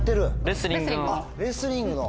レスリングの。